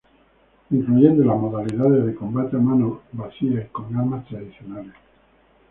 Incluyendo las modalidades de combate a mano vacía y con armas tradicionales.